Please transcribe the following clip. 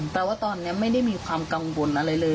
แปลว่าตอนนี้ไม่ได้มีความกังวลอะไรเลย